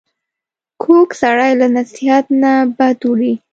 کوږ سړی له نصیحت نه بد وړي